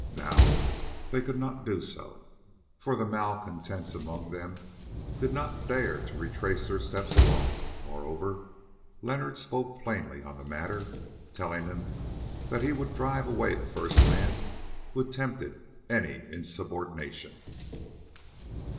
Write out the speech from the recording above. Now they could not do so, for the malcontents among them did not dare to retrace their steps alone; moreover, Leonard spoke plainly on the matter, telling them that he would drive away the first man who attempted any insubordination.